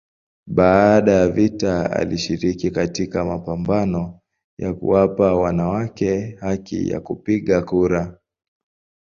Baada ya vita alishiriki katika mapambano ya kuwapa wanawake haki ya kupiga kura.